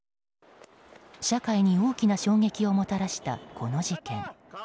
社会に大きな衝撃をもたらしたこの事件。